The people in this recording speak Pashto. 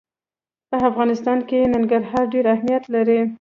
په افغانستان کې ننګرهار ډېر اهمیت لري.